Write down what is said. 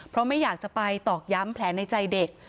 เพราะไม่อยากจะไปตอกย้ำแผลในใจเด็ก